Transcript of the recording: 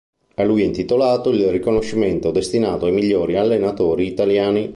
A lui è intitolato il riconoscimento destinato ai migliori allenatori italiani.